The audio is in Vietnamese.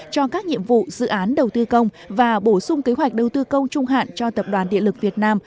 cho các nhiệm vụ dự án đầu tư công và bổ sung kế hoạch đầu tư công trung hạn cho tập đoàn điện lực việt nam